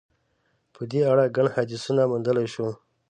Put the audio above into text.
په دې اړه ګڼ حدیثونه موندلای شو.